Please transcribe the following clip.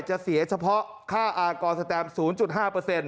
จะเสียเฉพาะค่าอากรสแตม๐๕